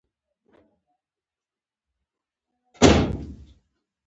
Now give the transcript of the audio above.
د هوټل په لومړي پوړ کې مو سباناری وکړ.